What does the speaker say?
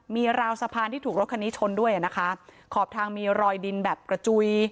มีราวสะพานที่ถูกรถคันนี้ชนด้วยอ่ะนะคะขอบทางมีรอยดินแบบกระจุย